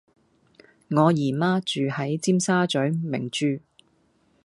我姨媽住喺尖沙嘴名鑄